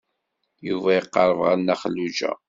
Yuba iqerreb ɣer Nna Xelluǧa.